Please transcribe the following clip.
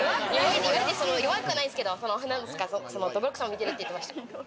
弱くはないんですけれども、どぶろっくさんも見てるって言ってました。